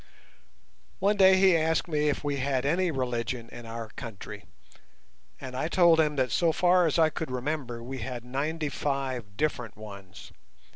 One day he asked me if we had any religion in our country, and I told him that so far as I could remember we had ninety five different ones.